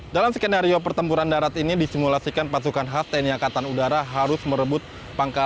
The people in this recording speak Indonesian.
dalam skenario pertempuran darat ini disimulasikan pasukan khas tni angkatan udara harus merebut pangkalan